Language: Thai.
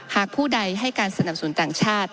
ผู้ใดให้การสนับสนุนต่างชาติ